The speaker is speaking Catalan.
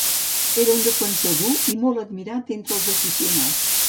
Era un defensor dur i molt admirat entre els aficionats.